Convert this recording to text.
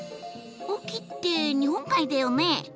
隠岐って日本海だよね。